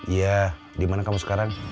iya dimana kamu sekarang